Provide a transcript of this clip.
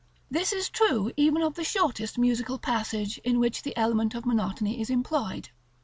This is true even of the shortest musical passage in which the element of monotony is employed.